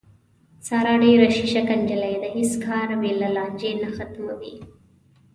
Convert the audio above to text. ساره ډېره شیشکه نجیلۍ ده، هېڅ کار بې له لانجې نه ختموي.